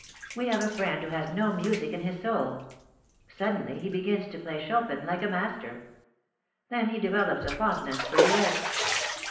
We have a friend who has no music in his soul. Suddenly, he begins to play Chopin like a master. Then he develops a fondness for duets.